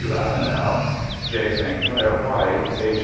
Ravenel, J. St. Clair White, H.